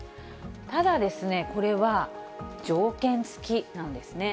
ただですね、これは条件付きなんですね。